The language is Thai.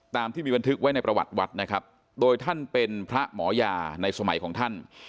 ตามที่มีบันทึกไว้ในประวัติวัดนะครับโดยท่านเป็นพระหมอยาในสมัยของท่าน